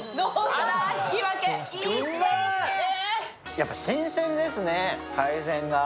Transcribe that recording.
やっぱ新鮮ですね、海鮮が。